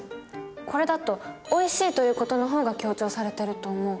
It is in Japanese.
これだと「おいしい」という事の方が強調されてると思う。